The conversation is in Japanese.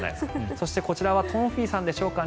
そして、こちらは東輝さんでしょうか。